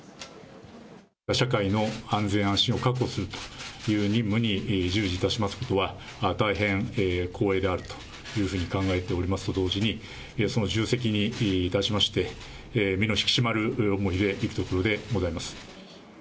社会の安全安心を確保するという任務に従事いたしますことは、大変光栄であるというふうに考えておりますと同時に、その重責にいたしまして、身の引き締まる思いでいくところでございます。